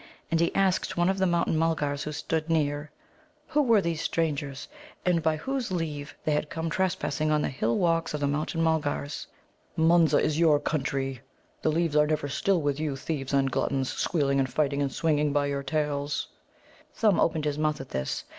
And he asked one of the Mountain mulgars who stood near, Who were these strangers, and by whose leave they had come trespassing on the hill walks of the Mountain mulgars. "Munza is your country," he said. "The leaves are never still with you, thieves and gluttons, squealing and fighting and swinging by your tails!" Thumb opened his mouth at this.